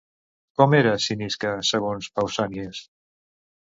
Com era Cinisca, segons Pausànies?